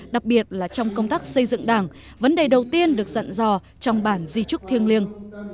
đặc biệt là trong công tác xây dựng đảng vấn đề đầu tiên được dặn dò trong bản di trúc thiêng liêng